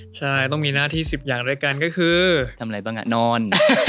ใช่ต้องมีหน้าที่๑๐อย่างด้วยกันก็คือทำอะไรบ้างนอน